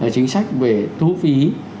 chính sách về thu phí